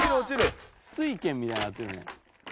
酔拳みたいになってるね。